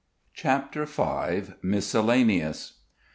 CHAPTER V. MISCELLANEOUS.